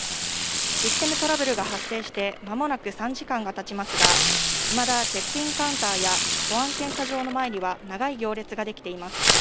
システムトラブルが発生してまもなく３時間がたちますが、いまだチェックインカウンターや保安検査場の前には長い行列が出来ています。